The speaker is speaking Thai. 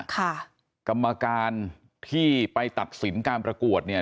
กรรมการที่ไปตัดสินการประกวดเนี่ย